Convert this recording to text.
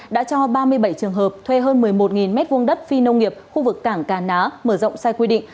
đã cho ba mươi bảy trường hợp thuê hơn một mươi một m hai đất phi nông nghiệp khu vực cảng cà ná mở rộng sai quy định